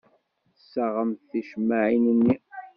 Tessaɣemt ticemmaɛin-nni.